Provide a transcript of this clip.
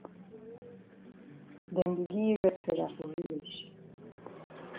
Dem be gi yi red feather for village.